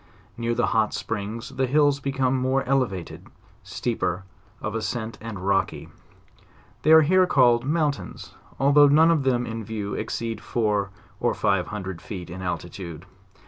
Near the hot springs the hills become more ele vated, steeper of ascent and rocky. They are here called mountains, although none of them in view exceed four or five hundred feet in altitude.